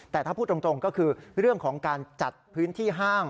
แต่ถ้าพูดตรงก็คือเรื่องของการจัดพื้นที่ห้าง